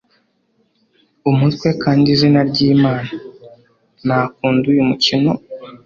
umutwe, kandi, izina ry'imana! nakunda uyu mukino